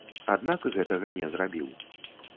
Аднак гэтага не зрабіў.